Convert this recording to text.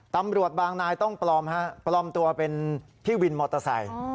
ตำรวจบางนายต้องปลอมฮะปลอมตัวเป็นพี่วินมอเตอร์ไซค์